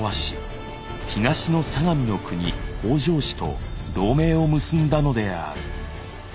東の相模国北条氏と同盟を結んだのである。